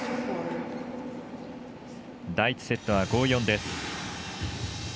第１セットは５−４です。